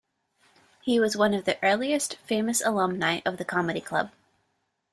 He was one of the earliest famous alumni of the comedy club.